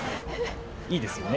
いいですよね。